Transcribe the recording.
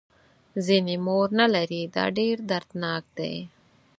ځینې مور نه لري دا ډېر دردناک دی.